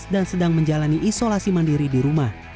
dan sedang menjalani isolasi mandiri di rumah